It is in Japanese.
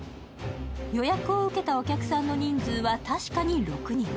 予約を受けたお客さんの人数は確かに６人。